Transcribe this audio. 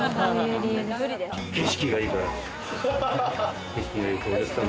景色がいいからだよ。